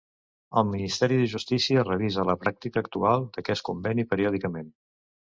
El Ministeri de Justícia revisa la pràctica actual d'aquest conveni periòdicament.